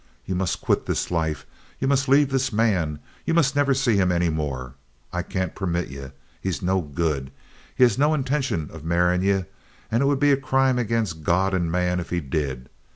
Ye must quit this life. Ye must lave this man. Ye must never see him any more. I can't permit ye. He's no good. He has no intintion of marrying ye, and it would be a crime against God and man if he did.